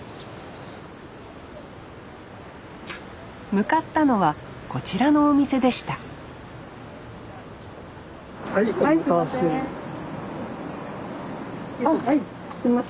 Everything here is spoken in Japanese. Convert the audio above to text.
向かったのはこちらのお店でしたはいお待たせ！